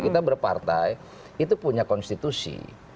kita berpartai itu punya konstitusi